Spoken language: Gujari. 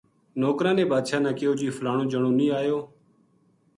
نوکراں نے بادشاہ نا کہیو جی فلانو جنو نیہہ اَیو